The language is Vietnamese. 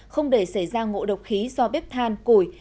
không để xảy ra ngộ độc khí do bếp than củi